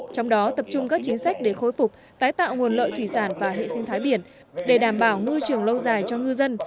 trong đó tập trung các chính sách để khôi phục tái tạo nguồn lợi thủy sản và hệ sinh thái biển để đảm bảo môi trường lâu dài cho ngư dân